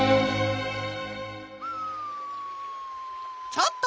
ちょっと！